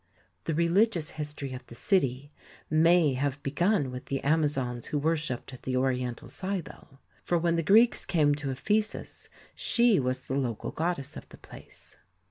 The religious history of the city may have begun with the Amazons who worshipped the Oriental Cybele, for when the Greeks came to Ephesus she was the local goddess of the place.